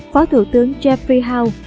phó thủ tướng geoffrey howe